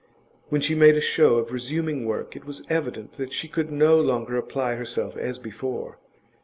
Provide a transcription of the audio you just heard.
When she made a show of resuming work, it was evident that she could no longer apply herself as before.